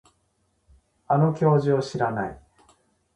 あの教授を知らない